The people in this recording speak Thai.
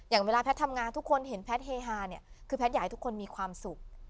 อย่างเวลาแพทย์ทำงานทุกคนเห็นแพทย์เฮฮาเนี่ยคือแพทย์อยากให้ทุกคนมีความสุข